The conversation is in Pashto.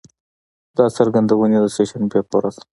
دا څرګندونې د سه شنبې په ورځ